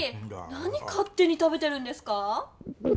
なにかっ手に食べてるんですか？